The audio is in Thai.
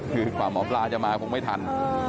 คือความหมอพลาจะมาผมไม่ทัน